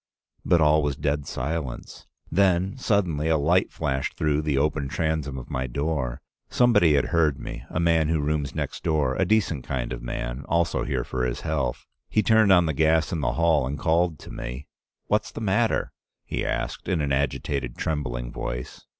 But all was dead silence. Then suddenly a light flashed through the open transom of my door. Somebody had heard me — a man who rooms next door, a decent kind of man, also here for his health. He turned on the gas in the hall and called to me. 'What's the matter?' he asked, in an agitated, trembling voice.